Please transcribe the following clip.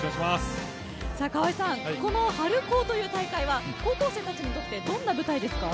川合さん、この春高という大会は高校生たちにとってどんな舞台ですか？